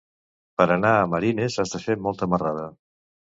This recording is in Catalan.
Per anar a Marines has de fer molta marrada.